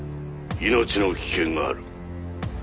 「命の危険がある」